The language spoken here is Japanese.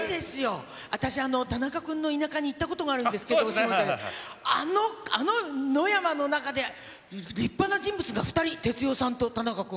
私、田中君の田舎に行ったことがあるんですけれども、あの野山の中で、立派な人物が２人、哲代さんと田中君。